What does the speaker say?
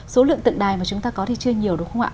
tượng đài mà chúng ta có thì chưa nhiều đúng không ạ